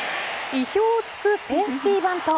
意表を突くセーフティーバント。